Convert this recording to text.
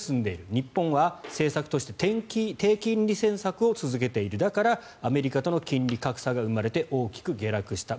日本は政策として低金利政策を続けているだから、アメリカとの金利格差が生まれて大きく下落した。